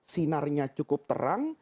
sinarnya cukup terang